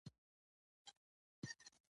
ما هغې ته ډاډ ورکړ چې دا خبره بیا ونه کړې